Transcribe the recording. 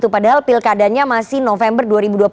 padahal pil kadannya masih november dua ribu dua puluh empat